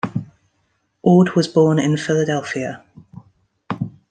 Ord was born in Philadelphia.